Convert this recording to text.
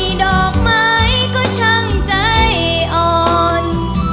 เมื่อไหร่ดอกไม้ก็ช่างใจอ่อน